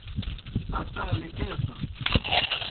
اسا لِکیسَس۔